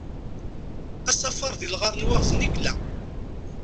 Asafar, di lɣar n waɣzen i yella.